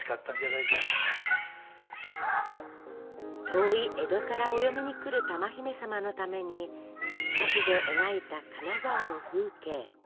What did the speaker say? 遠い江戸からお嫁に来る珠姫様のために菓子で描いた金沢の風景。